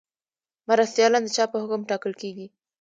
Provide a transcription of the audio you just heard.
مرستیالان د چا په حکم ټاکل کیږي؟